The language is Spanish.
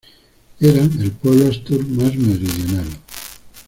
Eran el pueblo astur más meridional.